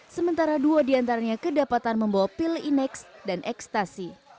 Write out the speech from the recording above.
sementara dua diantaranya kedapatan membawa pil ineks dan ekstasi